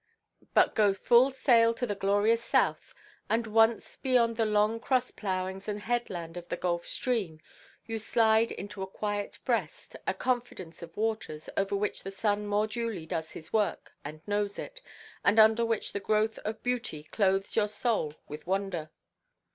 But go full–sail to the glorious south, and once beyond the long cross–ploughings and headland of the Gulf Stream, you slide into a quiet breast, a confidence of waters, over which the sun more duly does his work and knows it, and under which the growth of beauty clothes your soul with wonder.